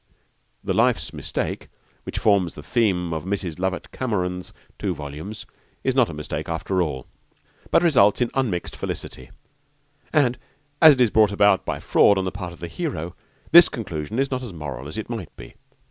The Life's Mistake which forms the theme of Mrs. Lovett Cameron's two volumes is not a mistake after all, but results in unmixed felicity; and as it is brought about by fraud on the part of the hero, this conclusion is not as moral as it might be.